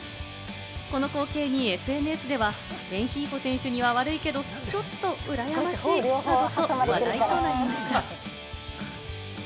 この光景にＳＮＳでは、レンヒーフォ選手には悪いけど、ちょっとうらやましいなどと話題となりました。